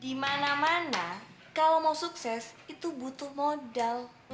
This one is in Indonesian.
di mana mana kalau mau sukses itu butuh modal